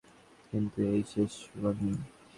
কিন্তু এই শেষ ওয়ার্নিং।